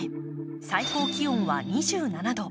最高気温は２７度。